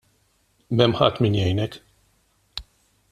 M'hemm ħadd min jgħinek.